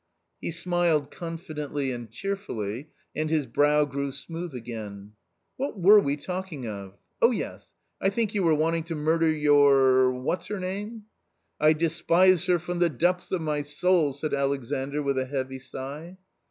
'' He smiled confidently and cheerfully, and his brow grew smooth again. "What were we talking of? oh yes, I think you were wanting to murder your — what's her name ?"" I despise her from the depths of my soul," said Alexandr, with a heavy sigh.